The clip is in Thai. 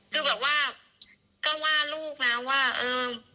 คือแบบว่าก็ว่าลูกนะว่าเออ